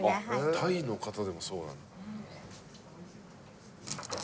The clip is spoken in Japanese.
タイの方でもそうなんだ。